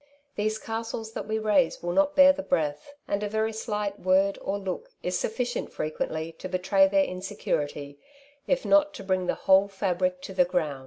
These castles that we raise will not bear the breath, and a very slight word or look is sufficient frequently to betray their insecurity, if not to bring the whole fabric to the ground.